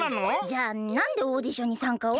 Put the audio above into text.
じゃあなんでオーディションにさんかを？